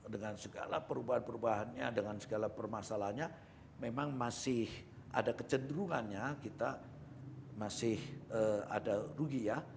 dengan segala perubahan perubahannya dengan segala permasalahannya memang masih ada kecenderungannya kita masih ada rugi ya